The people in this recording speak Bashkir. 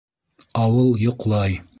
Ауыл йоҡлай.